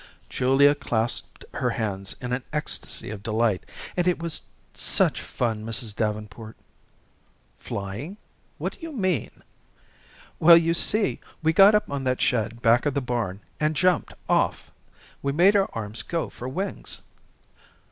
Julia clasped her hands in an ecstasy of delight. "And it was such fun, Mrs. Davenport." "Flying? What do you mean?" "Well, you see, we got up on that shed back of the barn, and jumped off. We made our arms go for wings."